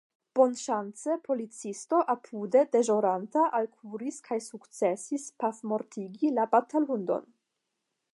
Bonŝance policisto apude deĵoranta alkuris kaj sukcesis pafmortigi la batalhundon.